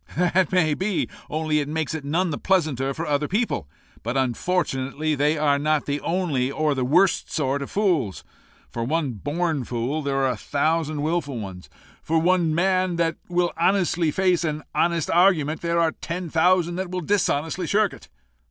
"That may be; only it makes it none the pleasanter for other people; but, unfortunately, they are not the only or the worst sort of fools. For one born fool there are a thousand wilful ones. For one man that will honestly face an honest argument, there are ten thousand that will dishonestly shirk it.